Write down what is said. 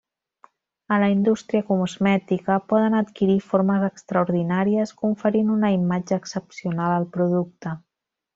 A la indústria cosmètica, poden adquirir formes extraordinàries conferint una imatge excepcional al producte.